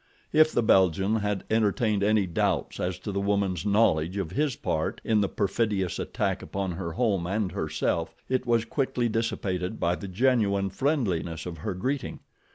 If the Belgian had entertained any doubts as to the woman's knowledge of his part in the perfidious attack upon her home and herself, it was quickly dissipated by the genuine friendliness of her greeting.